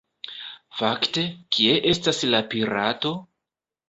Fakte, kie estas la pirato?